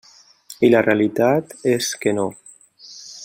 I la realitat és que no.